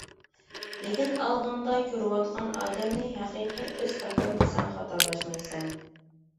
لېكىن ئالدىڭدا كۆرۈۋاتقان ئادەمنى ھەقىقىي ئۆز ئاكام دېسەڭ خاتالاشمايسەن.